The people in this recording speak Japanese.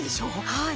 はい。